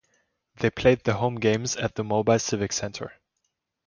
They played their home games at the Mobile Civic Center.